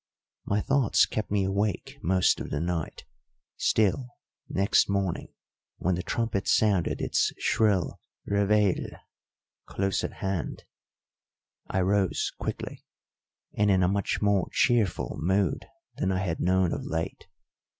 My thoughts kept me awake most of the night; still, next morning, when the trumpet sounded its shrill réveillé close at hand, I rose quickly, and in a much more cheerful mood than I had known of late.